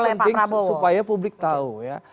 yang penting supaya publik tahu ya